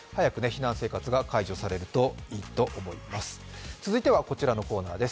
早く避難生活が解除されるといいと思います。